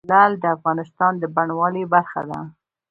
لعل د افغانستان د بڼوالۍ برخه ده.